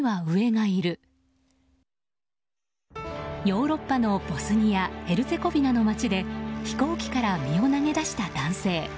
ヨーロッパのボスニア・ヘルツェゴビナの街で飛行機から身を投げ出した男性。